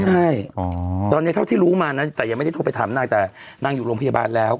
ใช่ตอนนี้ก็ที่รู้มาน่ะยังถูกถามนางสินางอยู่โรงพยาบาลแล้ว